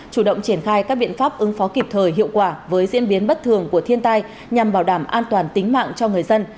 chủ động triển khai các biện pháp ứng phó kịp thời hiệu quả với diễn biến bất thường của thiên tai nhằm bảo đảm an toàn tính mạng cho người dân